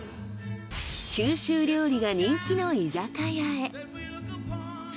九州料理が人気の居酒屋へ。